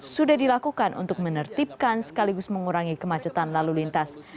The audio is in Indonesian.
sudah dilakukan untuk menertibkan sekaligus mengurangi kemacetan lalu lintas